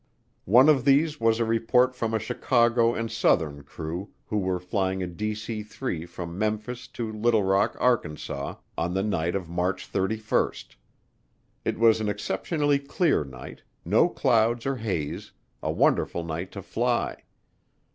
One of these was a report from a Chicago and Southern crew who were flying a DC 3 from Memphis to Little Rock, Arkansas, on the night of March 31. It was an exceptionally clear night, no clouds or haze, a wonderful night to fly.